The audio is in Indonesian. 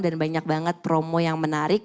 dan banyak banget promo yang menarik